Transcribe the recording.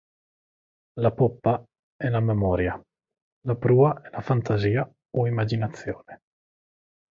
La "poppa" è la "memoria", la "prua" è la "fantasia", o "immaginazione".